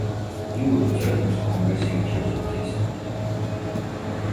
ბიუროს წევრებს კონგრესი ირჩევს ოთხი წლით.